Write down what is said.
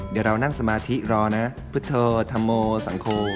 เดี๋ยวเรานั่งสมาธิรอนะพุทธธรรมโมสังคม